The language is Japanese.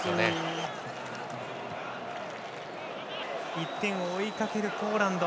１点を追いかけるポーランド。